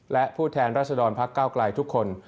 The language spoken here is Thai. และผู้แทนรัฐสดรภักดิ์ก้าวกลายทุกคน